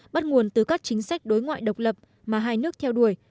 bắt nguồn từ các chính sách đối ngoại độc lập mà hai nước theo đuổi